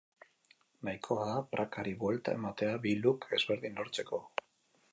Nahikoa da prakari buelta ematea bi look ezberdin lortzeko.